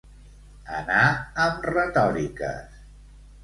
Anar amb retòriques.